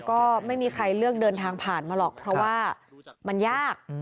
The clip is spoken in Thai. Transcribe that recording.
ก็ไม่มีใครเลือกเดินทางผ่านมาหรอกเพราะว่ามันยาก